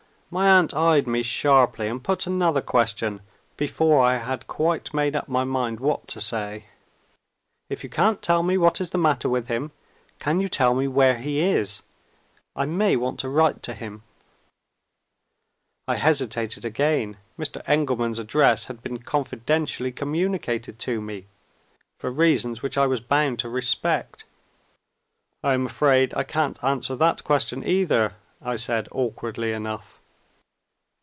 My aunt eyed me sharply, and put another question before I had quite made up my mind what to say. "If you can't tell me what is the matter with him, can you tell me where he is? I may want to write to him." I hesitated again. Mr. Engelman's address had been confidentially communicated to me, for reasons which I was bound to respect. "I am afraid I can't answer that question either," I said awkwardly enough.